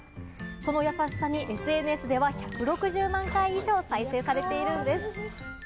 その優しさにＳＮＳでは１６０万回以上、再生されているんです。